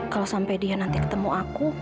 kalau sampai dia nanti ketemu aku